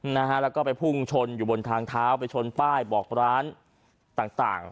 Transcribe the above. นะฮะแล้วก็ไปพุ่งชนอยู่บนทางเท้าไปชนป้ายบอกร้านต่างต่าง